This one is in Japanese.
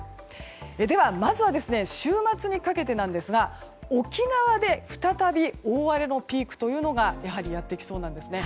では、まずは週末にかけてなんですが沖縄で再び大荒れのピークというのがやってきそうなんですね。